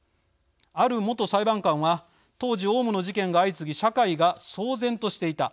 ある元裁判官は「当時、オウムの事件が相次ぎ社会が騒然としていた。